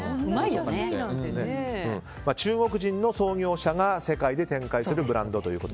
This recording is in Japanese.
中国人の創業者が世界で展開するブランドと。